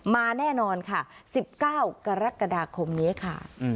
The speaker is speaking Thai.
มาแน่นอนค่ะ๑๙กรกฎาคมนี้ค่ะ